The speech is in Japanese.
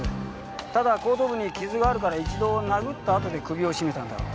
ただ後頭部に傷があるから一度殴ったあとに首を絞めたんだろう。